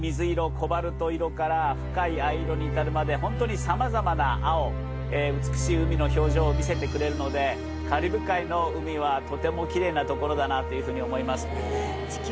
コバルト色から深い藍色に至るまでホントに様々な青美しい海の表情を見せてくれるのでカリブ海の海はとてもキレイなところだなというふうに思いますねえ